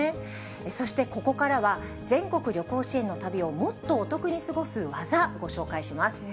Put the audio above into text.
そして、ここからは全国旅行支援の旅をもっとお得に過ごす技、ご紹介します。